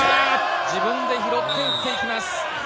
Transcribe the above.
自分で拾って打っていきます。